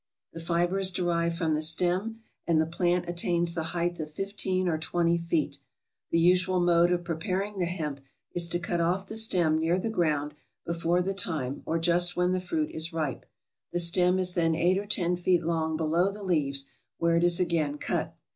The fiber is derived from the stem, and the plant attains the height of fifteen or twenty feet. The usual mode of preparing the hemp is to cut off the stem near the ground, before the time or just when the fruit is ripe. The stem is then eight or ten feet long below the leaves, where it is again cut.